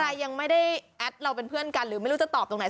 ใครยังไม่ได้แอดเราเป็นเพื่อนกันหรือไม่รู้จะตอบตรงไหน